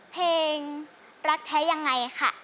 เพลงรักแท้ยังไงค่ะ